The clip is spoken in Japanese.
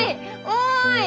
おい！